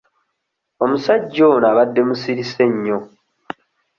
Omusajja ono abadde musirise nnyo.